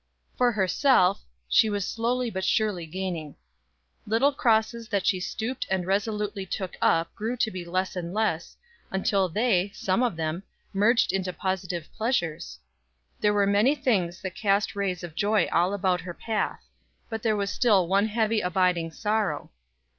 For herself, she was slowly but surely gaining. Little crosses that she stooped and resolutely took up grew to be less and less, until they, some of them, merged into positive pleasures. There were many things that cast rays of joy all about her path; but there was still one heavy abiding sorrow.